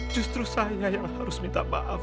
justru saya yang harus minta maaf